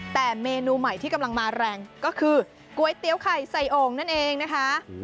แต่เมนูใหม่ที่กำลังมาแรงก็คือก๋วยเตี๋ยวไข่ใส่โอ่งนั่นเองนะคะ